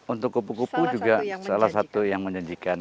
untuk kupu kupu juga salah satu yang menjanjikan